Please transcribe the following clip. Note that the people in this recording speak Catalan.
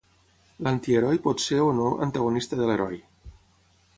L'antiheroi pot ser o no antagonista de l'heroi.